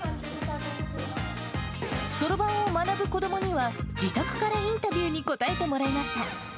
そろばんを学ぶ子どもには自宅からインタビューに答えてもらいました。